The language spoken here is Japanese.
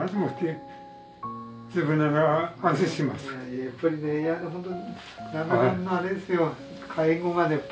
やっぱりねいや本当に。